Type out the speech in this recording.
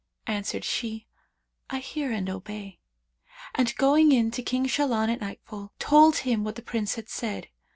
Answered she, I hear and obey,' and going in to King Shahlan at nightfall told him what the Prince had said.